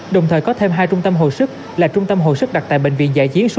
đồng thời có thêm hai trung tâm hỗ sức là trung tâm hỗ sức đặt tại bệnh viện giải chiến số một mươi ba